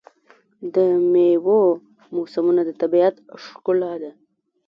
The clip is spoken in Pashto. د میوو موسمونه د طبیعت ښکلا ده.